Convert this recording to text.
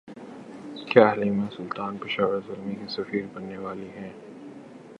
کیا Halima Sultan Peshawar Zalmi کی سفیر بننے والی ہیں